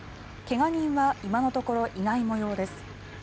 怪我人は今のところいない模様です。